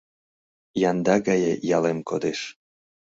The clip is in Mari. Янда гае ялем кодеш